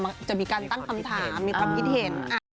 มันจะมีการตั้งคำถามมีความคิดเห็น